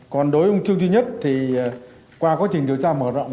còn đối với ông trương duy nhất thì qua quá trình điều tra mở rộng